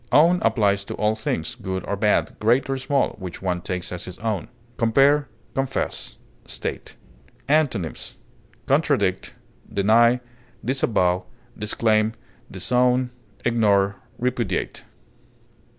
Own applies to all things, good or bad, great or small, which one takes as his own. Compare CONFESS; STATE. Antonyms: contradict, deny, disavow, disclaim, disown, ignore, repudiate.